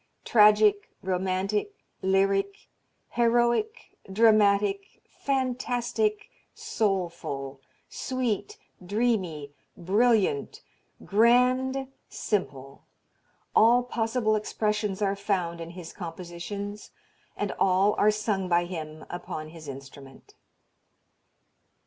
... Tragic, romantic, lyric, heroic, dramatic, fantastic, soulful, sweet, dreamy, brilliant, grand, simple; all possible expressions are found in his compositions and all are sung by him upon his instrument.